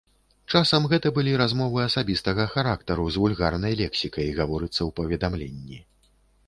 Часам гэта былі размовы асабістага характару з вульгарнай лексікай, гаворыцца ў паведамленні.